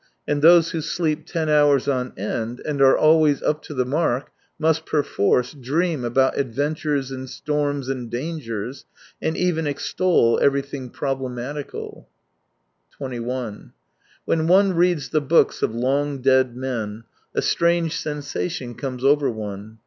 And those who sleep ten hours on end and are always up to the mark must perforce dream about adventures and storms and dangers, and even extol everything problematical. 21 When one reads the books of long dead men, a strange sensation comes over one.